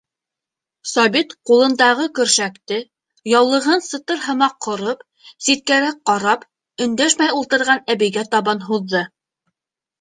Сабит ҡулындағы көршәкте, яулығын сатыр һымаҡ ҡороп, ситкәрәк ҡарап, өндәшмәй ултырған әбейгә табан һуҙҙы.